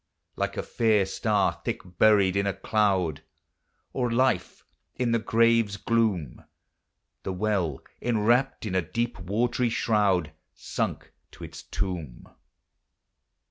Like a fair star thick buried in a cloud, Or life in the grave's gloom, The well, enwrapped in a deep watery shroud, Sunk to its tomb.